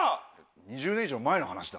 ２０年以上前の話だ。